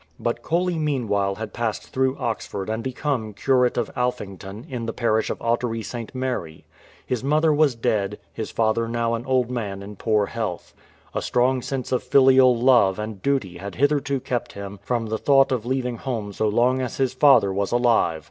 But Coley meanwhile had passed through Oxford and become curate of Alfing ton, in the parish of Ottcry St. Mary. His mother was dead, his father now an old man in poor health. A strong sense of filial love and duty had hitherto kept him from the thought of leaving home so long as his father was alive.